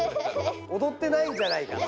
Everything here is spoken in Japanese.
おどってないんじゃないかと。